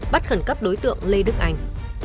bắt khẩn cấp đối tượng lê đức anh